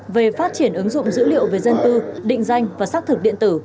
về phát triển ứng dụng dữ liệu về dân cư định danh và xác thực điện tử